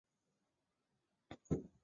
疏齿茶是山茶科山茶属的植物。